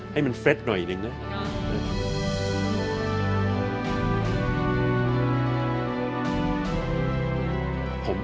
ให้มันเฟ็ดหน่อยหนึ่งนะ